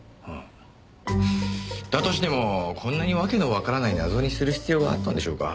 だとしてもこんなにわけのわからない謎にする必要があったんでしょうか？